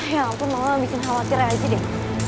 ya ampun mama ngabisin khawatir aja deh